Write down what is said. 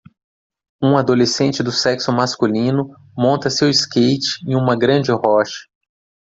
Um adolescente do sexo masculino monta seu skate em uma grande rocha.